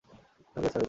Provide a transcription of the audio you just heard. তার ক্যান্সার হয়েছে।